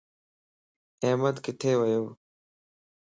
احمد ڪٿي ويو.